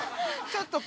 ちょっと誰？